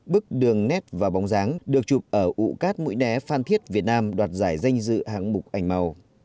bức đường nét và bóng dáng được chụp ở ụ cát mũi né phan thiết việt nam đoạt giải danh dự hạng mục ảnh màu